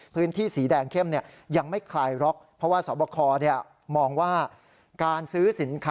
พื้นที่สีแดงเข้มยังไม่คลายร็อก